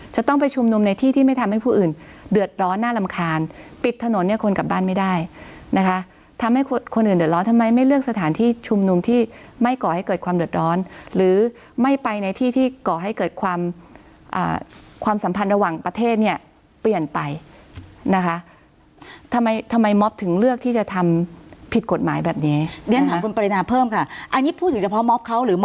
จะต้องไปชุมนุมในที่ที่ไม่ทำให้ผู้อื่นเดือดร้อนน่ารำคาญปิดถนนเนี่ยคนกลับบ้านไม่ได้นะคะทำให้คนอื่นเดือดร้อนทำไมไม่เลือกสถานที่ชุมนุมที่ไม่ก่อให้เกิดความเดือดร้อนหรือไม่ไปในที่ที่ก่อให้เกิดความความสัมพันธ์ระหว่างประเทศเนี่ยเปลี่ยนไปนะคะทำไมทำไมมอบถึงเลือกที่จะทำผิดกฎหมายแบบนี้เรียนถามคุณปรินาเพิ่มค่ะอันนี้พูดถึงเฉพาะม็อบเขาหรือม